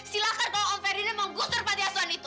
silakan kalau om ferdinand mau gusur panti asuan itu